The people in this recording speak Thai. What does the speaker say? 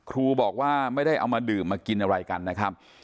ครูบอกว่าไม่ได้เอามาดื่มมากินอะไรกันนะครับ